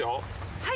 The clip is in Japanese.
はい。